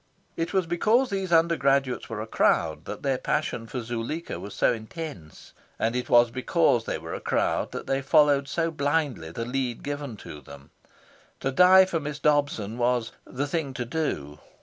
It was because these undergraduates were a crowd that their passion for Zuleika was so intense; and it was because they were a crowd that they followed so blindly the lead given to them. To die for Miss Dobson was "the thing to do."